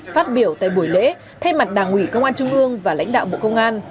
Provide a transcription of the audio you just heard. phát biểu tại buổi lễ thay mặt đảng ủy công an trung ương và lãnh đạo bộ công an